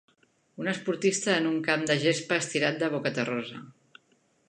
Un esportista en un camp de gespa estirat de bocaterrosa.